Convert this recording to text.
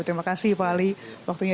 terima kasih pak ali waktunya